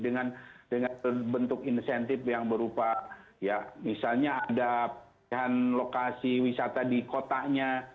dengan bentuk insentif yang berupa ya misalnya ada pilihan lokasi wisata di kotanya